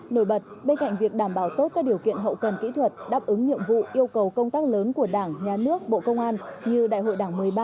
nổi bật bên cạnh việc đảm bảo tốt các điều kiện hậu cần kỹ thuật đáp ứng nhiệm vụ yêu cầu công tác lớn của đảng nhà nước bộ công an như đại hội đảng một mươi ba